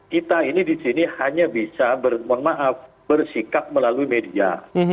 kita ini di sini hanya bisa mohon maaf bersikap melalui media